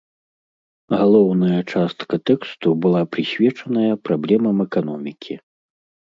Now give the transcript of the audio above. Галоўная частка тэксту была прысвечаная праблемам эканомікі.